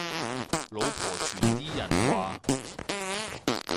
老婆團啲人話